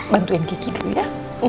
bantuin kiki dulu ya